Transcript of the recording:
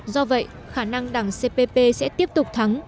do vậy khả năng đảng cpp sẽ tiếp tục thắng